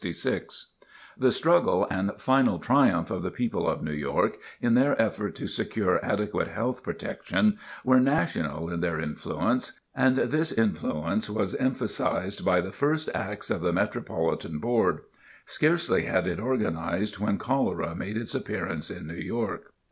The struggle and final triumph of the people of New York, in their efforts to secure adequate health protection, were national in their influence. And this influence was emphasized by the first acts of the Metropolitan Board. Scarcely had it organized when cholera made its appearance in New York.